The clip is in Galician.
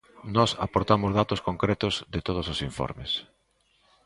Nós aportamos datos concretos de todos os informes.